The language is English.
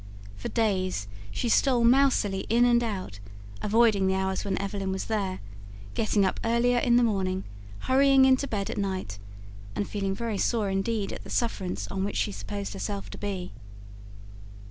For days she stole mousily in and out, avoiding the hours when Evelyn was there, getting up earlier in the morning, hurrying into bed at night and feeling very sore indeed at the sufferance on which she supposed herself to be.